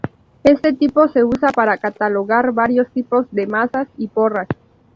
Este tipo se usa para catalogar varios tipos de mazas y porras.